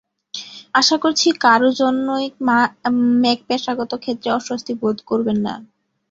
আশা করছি কারও জন্যই ম্যাক তাঁর পেশাগত ক্ষেত্রে অস্বস্তি বোধ করবেন না।